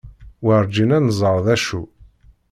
Werǧin ad nẓer d acu.